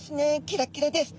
キラキラです。